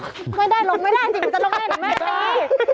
รายลงไม่ได้จริงมิ้นจะลงไหนอย่างแม่ชันเฮ่ย